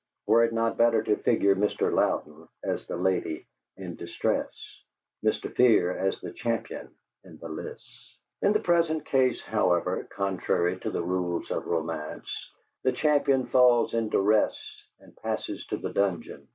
Were it not better to figure Mr. Louden as the lady in distress, Mr. Fear as the champion in the lists? In the present case, however, contrary to the rules of romance, the champion falls in duress and passes to the dungeon.